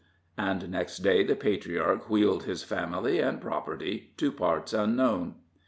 And next day the patriarch wheeled his family and property to parts unknown.